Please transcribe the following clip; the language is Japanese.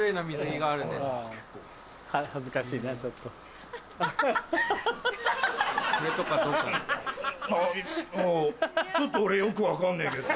あぁちょっと俺よく分かんねえけど。